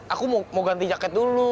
aku mau ganti jaket dulu